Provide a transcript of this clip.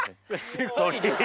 すごい量。